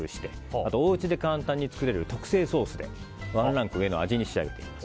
あと、お家で簡単に作れる特製ソースでワンランク上の味に仕上げていきます。